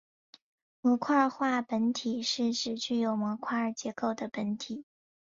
模块化本体是指具有模块结构的本体。